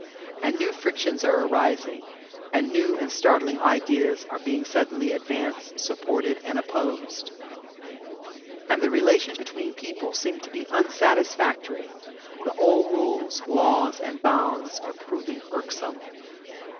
And new frictions are arising, and new and startling ideas are being suddenly advanced, supported and opposed. And the relations between people seem to be unsatisfactory. The old rules, laws, and bonds are proving irksome.